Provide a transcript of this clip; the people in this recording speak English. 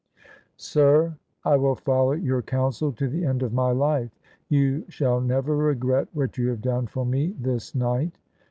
" Sir, I will follow your counsel to the end of my life. You shall never regret what you have done for me this night."